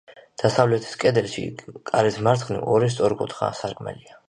დასავლეთის კედელში, კარის მარცხნივ, ორი სწორკუთხა სარკმელია.